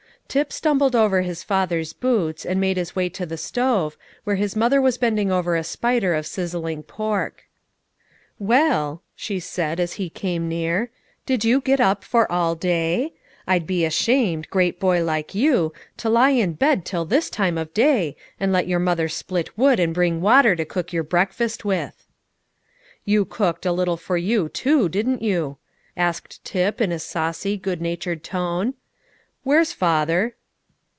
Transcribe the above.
Tip stumbled over his father's boots, and made his way to the stove, where his mother was bending over a spider of sizzling pork. "Well," she said, as he came near, "did you get up for all day? I'd be ashamed great boy like you to lie in bed till this time of day, and let your mother split wood and bring water to cook your breakfast with." "You cooked, a little for you, too, didn't you?" asked Tip, in a saucy, good natured tone. "Where's father?"